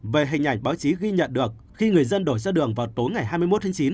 về hình ảnh báo chí ghi nhận được khi người dân đổi ra đường vào tối ngày hai mươi một tháng chín